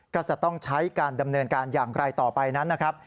ก็จะต้องใช้การดำเนินการอย่างไรต่อไปนั้นนะครับ